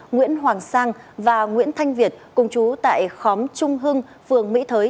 nguyễn hoàng sang và nguyễn thanh việt cùng chú tại khóm trung hưng phường mỹ thới